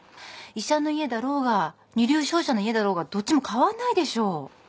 医者の家だろうが二流商社の家だろうがどっちも変わんないでしょ。